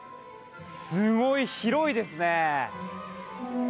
すごい、広いですね。